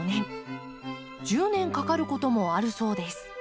１０年かかることもあるそうです。